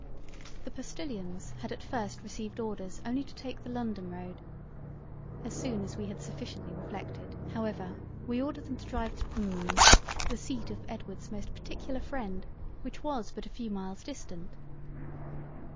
The Postilions had at first received orders only to take the London road; as soon as we had sufficiently reflected However, we ordered them to Drive to M——. the seat of Edward's most particular freind, which was but a few miles distant.